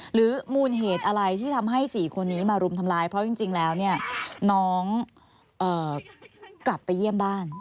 หรือมูลเหตุอะไรที่ทำให้๔คนนี้มารุมทำร้าย